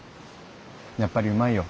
やっぱりうまいよ。